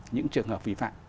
những trường hợp